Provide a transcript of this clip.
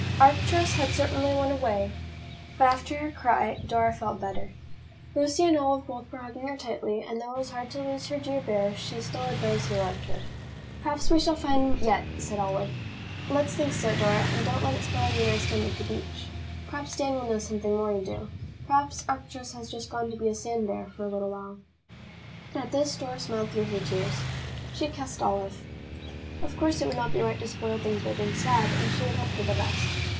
Arcturus had certainly run away, but after her cry Dora felt better. Lucy and Olive both were hugging her tightly and though it was hard to lose her dear bear, she still had those who loved her. "Perhaps we shall find him yet," said Olive. "Let's think so, Dora, and don't let it spoil your nice time at the beach. Perhaps Dan will know something more to do. Perhaps Arcturus has just gone to be a sand bear for a little while." At this Dora smiled through her tears. She kissed Olive. Of course it would not be right to spoil things by being sad, and she would hope for the best.